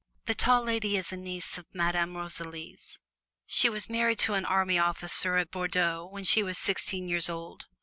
The Tall Lady is a niece of Madame Rosalie's. She was married to an army officer at Bordeaux when she was sixteen years old.